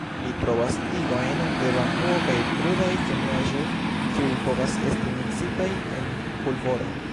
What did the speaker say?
Li trovas tigojn de bambuo kaj krudaj kemiaĵoj, kiuj povas esti miksitaj en pulvoro.